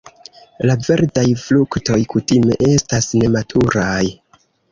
La verdaj fruktoj kutime estas nematuraj.